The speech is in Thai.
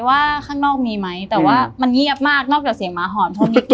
ว่าข้างนอกมีมั้ยแต่ว่ามันเงียบมากนอกจากเสียงหมาหอม